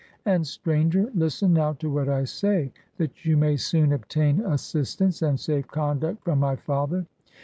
And, stranger, listen now to what I say, that you may soon obtain as sistance and safe conduct from my father.